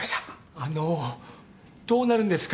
・あのどうなるんですか？